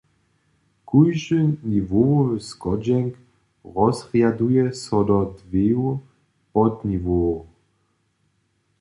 Kóždy niwowowy schodźenk rozrjaduje so do dweju podniwowow.